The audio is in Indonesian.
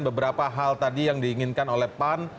beberapa hal tadi yang diinginkan oleh pan